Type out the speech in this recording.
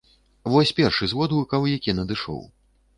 Вось першы з водгукаў, які надышоў.